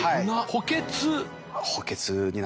補欠。